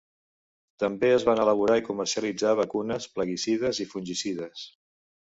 També es van elaborar i comercialitzar vacunes, plaguicides i fungicides.